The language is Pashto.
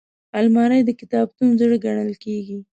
الماري د کتابتون زړه ګڼل کېږي